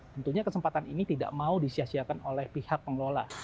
tentunya kesempatan ini tidak mau disiasiakan oleh pihak pengelola